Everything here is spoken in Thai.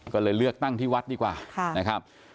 ก็เลยเลือกตั้งที่วัดดีกว่านะครับ